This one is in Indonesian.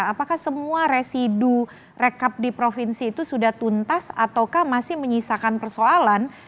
apakah semua residu rekap di provinsi itu sudah tuntas ataukah masih menyisakan persoalan